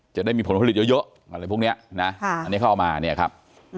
จะได้มีผลผลิตเยอะอะไรพวกนี้นะอันนี้เขาเอามาเนี่ยครับ